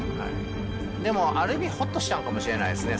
でも、ある意味、ほっとしたのかもしれないですね。